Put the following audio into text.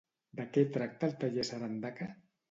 De què tracta el Taller Sarandaca?